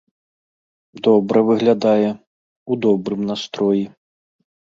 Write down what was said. Добра выглядае, у добрым настроі.